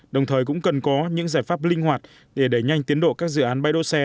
đồng thời cũng cần có những giải pháp linh hoạt để đẩy nhanh tiến độ các dự án bãi đỗ xe